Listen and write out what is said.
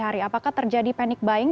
apakah terjadi panic buying